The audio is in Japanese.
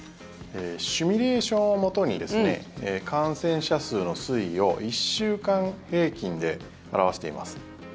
シミュレーションをもとに感染者数の推移を１週間平均で表しています。